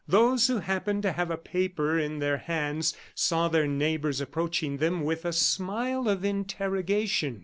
Those who happened to have a paper in their hands, saw their neighbors approaching them with a smile of interrogation.